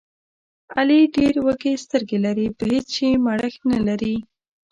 علي ډېرې وږې سترګې لري، په هېڅ شي مړښت نه لري.